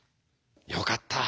よかった。